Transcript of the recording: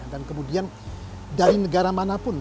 dan kemudian dari negara manapun